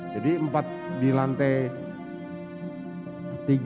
jadi empat di lantai